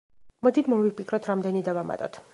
მოდით, მოვიფიქროთ რამდენი დავამატოთ.